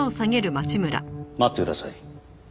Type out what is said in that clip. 待ってください。